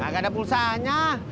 gak ada pulsanya